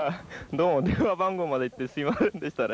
どうも電話番号まで言ってすいませんでしたね。